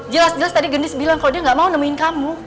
jelas jelas tadi genis bilang kalau dia gak mau nemuin kamu